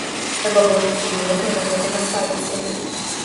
Трэба больш сур'ёзна да гэтага ставіцца.